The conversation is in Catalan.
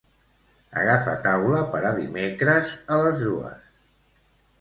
Agafa taula per dimecres a les dues.